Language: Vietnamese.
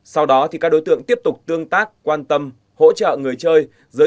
sau đó thì các đối tượng tiếp tục tương tác quan tâm hỗ trợ người chơi